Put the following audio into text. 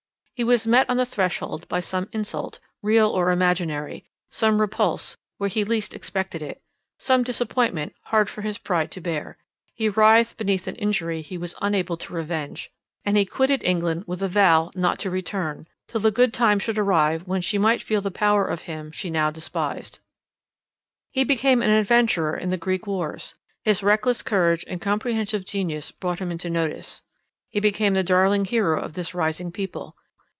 He was met on the threshold by some insult, real or imaginary; some repulse, where he least expected it; some disappointment, hard for his pride to bear. He writhed beneath an injury he was unable to revenge; and he quitted England with a vow not to return, till the good time should arrive, when she might feel the power of him she now despised. He became an adventurer in the Greek wars. His reckless courage and comprehensive genius brought him into notice. He became the darling hero of this rising people.